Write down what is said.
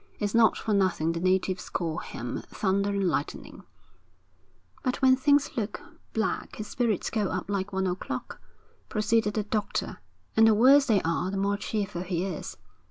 'It's not for nothing the natives call him Thunder and Lightning.' 'But when things look black, his spirits go up like one o'clock,' proceeded the doctor. 'And the worse they are the more cheerful he is.'